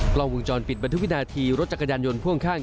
กล้องวงจรปิดบันทึกวินาทีรถจักรยานยนต์พ่วงข้าง